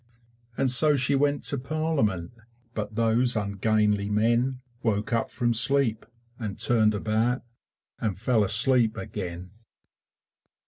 And so she went to Parliament, But those ungainly men Woke up from sleep, and turned about, And fell asleep again.